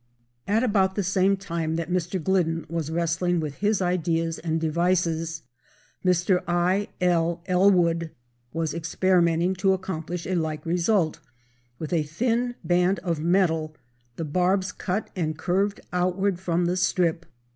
At about the same time that Mr. Glidden was wrestling with his ideas and devices, Mr. I.L. Ellwood was experimenting to accomplish a like result with a thin band of metal, the barbs cut and curved outward from the strip.